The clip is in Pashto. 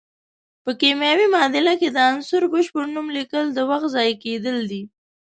په کیمیاوي معادله کې د عنصر بشپړ نوم لیکل د وخت ضایع کیدل دي.